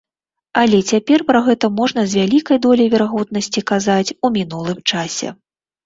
Але цяпер пра гэта можна з вялікай доляй верагоднасці казаць у мінулым часе.